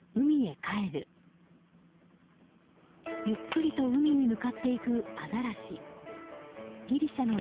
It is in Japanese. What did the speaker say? ゆっくりと海に向かっていくアザラシ。